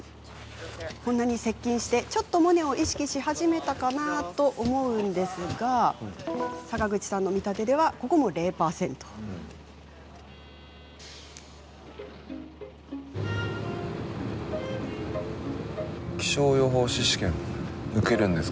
こんなに接近してちょっとモネを意識し始めたかな？と思うのですけど坂口さんの見立てではここも０％なんです。